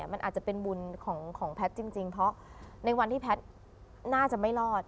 มันอาจจะเป็นบุญของแพทย์จริงเพราะในวันที่แพทย์น่าจะไม่รอด